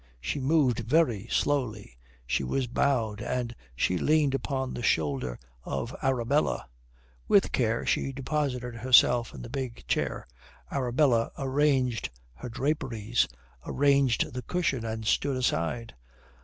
She moved very slowly, she was bowed, and she leaned upon the shoulder of Arabella. With care she deposited herself in the big chair. Arabella arranged her draperies, arranged the cushion, and stood aside.